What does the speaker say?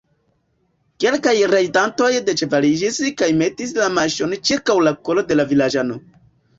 Kelkaj rajdantoj deĉevaliĝis kaj metis la maŝon ĉirkaŭ la kolo de la vilaĝano.